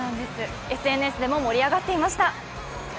ＳＮＳでも盛り上がっていました。